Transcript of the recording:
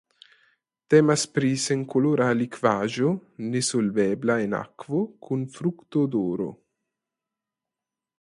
Temas pri senkolora likvaĵo nesolvebla en akvo kun fruktodoro.